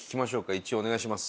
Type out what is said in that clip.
１位お願いします。